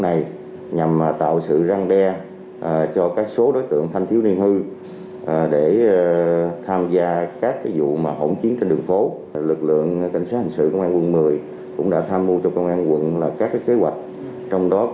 này nhằm tạo sự răng đe cho các số đối tượng thanh thiếu niên hư để tham gia các vụ hỗn chiến trên đường phố